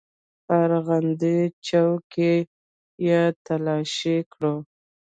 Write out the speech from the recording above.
په ارغندې چوک کښې يې تلاشي کړو.